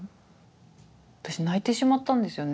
私泣いてしまったんですよね